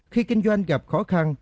khi kinh doanh gặp khó khăn